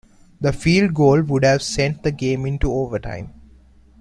The field goal would have sent the game into overtime.